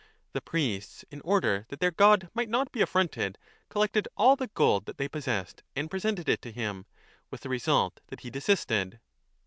The priests, in order that their god might not be affronted, collected all the gold that they possessed and presented it to him, with the result that he desisted.